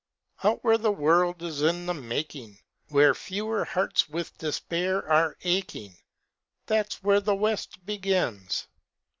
Out where the world is in the making, Where fewer hearts with despair are aching; That's where the West begins.